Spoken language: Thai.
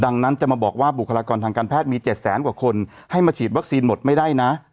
ดังนั้นจะมาบอกว่าบุคลากรทางการแพทย์มี๗แสนกว่าคนให้มาฉีดวัคซีนหมดไม่ได้นะ